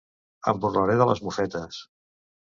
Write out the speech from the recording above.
Em burlaré de les mofetes.